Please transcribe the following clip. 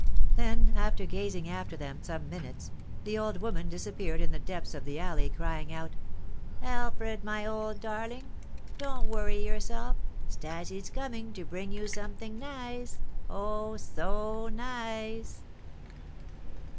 Then, after gazing after them some minutes, the old woman disappeared in the depths of the alley, crying out, "Alfred, my old darling! Don't worry yourself; 'Stasie's coming to bring you something nice, oh, so nice!"